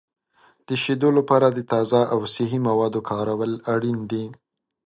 د شیدو لپاره د تازه او صحي موادو کارول اړین دي.